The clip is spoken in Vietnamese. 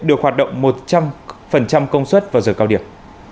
được hoạt động một trăm linh công suất vào giờ cao điểm